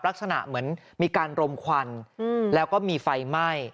ลักษณะเหมือนมีการรมควันแล้วก็มีไฟไหม้